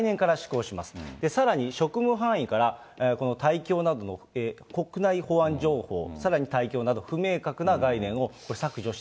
さらに職務範囲からこの国内保安情報、さらに対共など、不明確な概念を削除して。